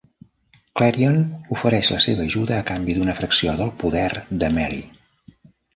Klarion ofereix la seva ajuda a canvi d'una fracció del poder de Mary.